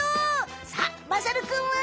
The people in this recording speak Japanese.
さっまさるくんは？